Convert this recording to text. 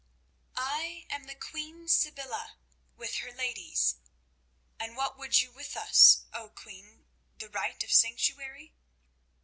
"I am the Queen Sybilla, with her ladies." "And what would you with us, O Queen? The right of sanctuary?"